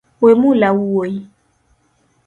Wemula wuoyi